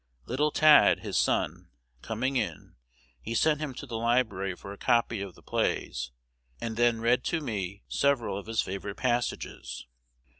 Little 'Tad,' his son, coming in, he sent him to the library for a copy of the plays, and then read to me several of his favorite passages.